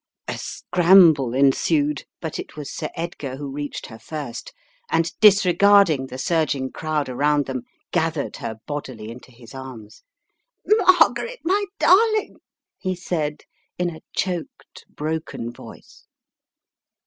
A scramble ensued, but it was Sir Edgar who reached her first, and disregarding the surging crowd around them gathered her bodily into his arms. "Margaret, my darling!" he said in a choked, broken voice.